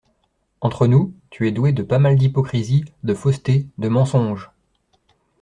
Entre nous, tu es douée de pas mal d’hypocrisie, de fausseté, de mensonge !